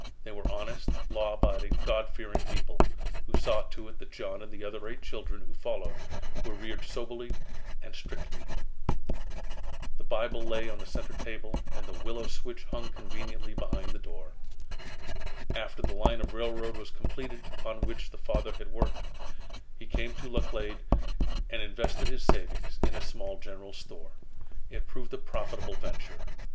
They were honest, law abiding, God fearing people, who saw to it that John and the other eight children who followed were reared soberly and strictly. The Bible lay on the center table and the willow switch hung conveniently behind the door. After the line of railroad was completed upon which the father had worked, he came to Laclede and invested his savings in a small general store. It proved a profitable venture.